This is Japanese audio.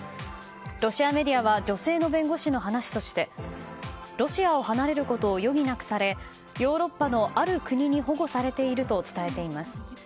ロシアメディアは女性の弁護士の話としてロシアを離れることを余儀なくされヨーロッパのある国に保護されていると伝えています。